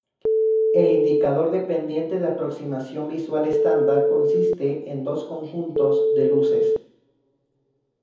El Indicador de Pendiente de Aproximación Visual Estándar consiste en dos conjuntos de luces.